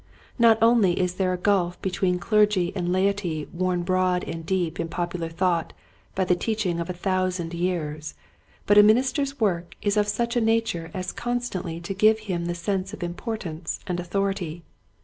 Not only is there a gulf between clergy and laity worn broad and deep in popular thought by the teaching of a thousand years, but a minis ter's work is of such a nature as constantly to give him the sense of importance and authority.